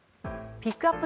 ピックアップ